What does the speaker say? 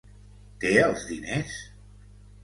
Té els diners?